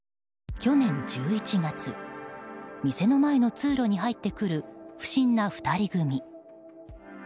去年１１月、店の前の通路に入ってくる不審な２人組。